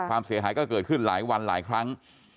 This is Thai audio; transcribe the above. ความเสียหายก็เกิดขึ้นหลายวันหลายครั้ง